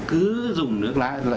cứ dùng nước lá